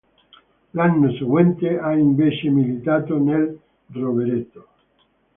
L'anno seguente ha invece militato nel Rovereto.